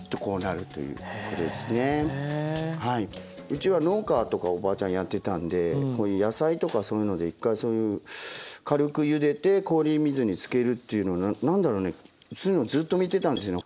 うちは農家とかおばあちゃんやってたんで野菜とかそういうので一回そういう軽くゆでて氷水につけるというのの何だろうねそういうのをずっと見てたんですよね。